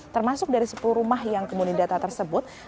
termasuk dari sepuluh rumah yang kemudian data tersebut